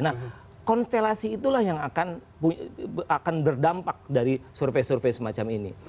nah konstelasi itulah yang akan berdampak dari survei survei semacam ini